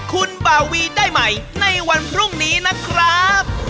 คุณบาวีได้ใหม่ในวันพรุ่งนี้นะครับ